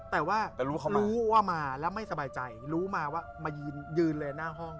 แต่ว่ารู้ว่ามาแล้วไม่สบายใจรู้มาว่ามายืนเลยหน้าห้อง